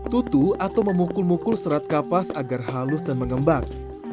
tutu atau memukul mukul serat kapas agar halus dan mengembang